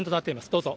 どうぞ。